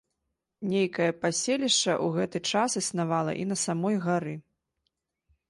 Нейкае паселішча ў гэты час існавала і на самой гары.